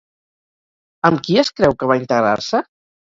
Amb qui es creu que va integrar-se?